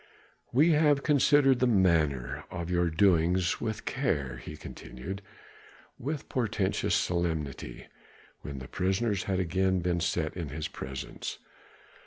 "We have considered the matter of your doings with care," he continued with portentous solemnity, when the prisoners had again been set in his presence.